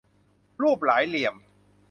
รูปหลายเหลี่ยม